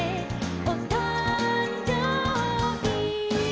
「おたんじょうび」